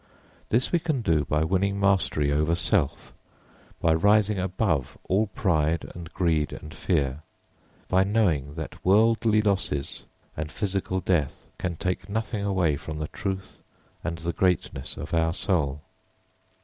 This we can do by winning mastery over self, by rising above all pride and greed and fear, by knowing that worldly losses and physical death can take nothing away from the truth and the greatness of our soul.